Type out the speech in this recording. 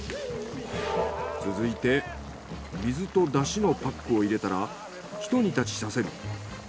続いて水と出汁のパックを入れたらひと煮立ちさせる。